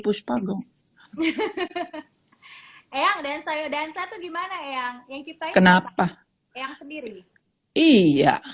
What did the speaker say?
puspagong dan sayur dansa itu gimana yang yang kita kenapa yang sendiri iya